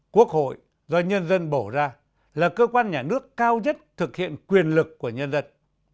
quốc hội do nhân dân bổ ra là cơ quan nhà nước cao nhất thực hiện quyền lực của nhân dân